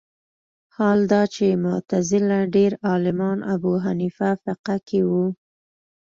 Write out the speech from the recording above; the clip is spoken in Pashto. حال دا چې معتزله ډېر عالمان ابو حنیفه فقه کې وو